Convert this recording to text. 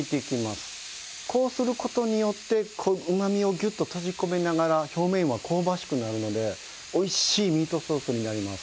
こうする事によってうまみをギュッと閉じ込めながら表面は香ばしくなるのでおいしいミートソースになります。